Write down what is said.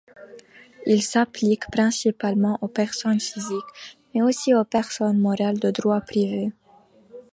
Il s'applique principalement aux personnes physiques, mais aussi aux personnes morales de droit privé.